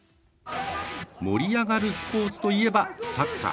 盛り上がるスポーツといえばサッカー。